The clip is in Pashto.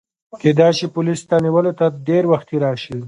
کیدای شي پولیس ستا نیولو ته ډېر وختي راشي.